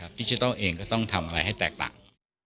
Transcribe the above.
ดิจิทัลเองก็ต้องทำอะไรให้แตกต่าง